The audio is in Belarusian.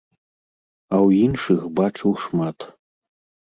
А ў іншых бачыў шмат.